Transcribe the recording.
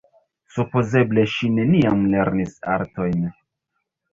Supozeble ŝi neniam lernis artojn.